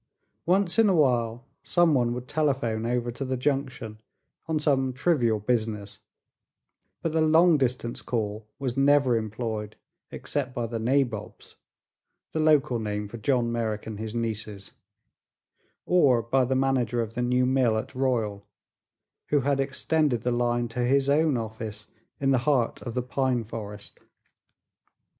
Once in awhile some one would telephone over to the Junction on some trivial business, but the long distance call was never employed except by the "nabobs" the local name for John Merrick and his nieces or by the manager of the new mill at Royal, who had extended the line to his own office in the heart of the pine forest.